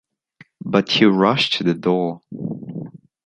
But he rushed to the door.